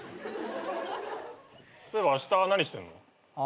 そういえばあした何してんの？